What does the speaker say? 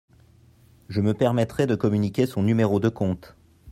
Je me permettrai de communiquer son numéro de compte.